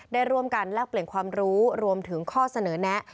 ได้ร่วมกันแลกเปลี่ยนความรู้รวมถึงข้อเสนอแนะ